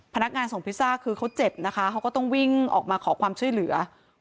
พนักงานส่งพิซซ่าคือเขาเจ็บนะคะเขาก็ต้องวิ่งออกมาขอความช่วยเหลือ